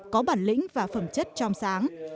có bản lĩnh và phẩm chất trong sáng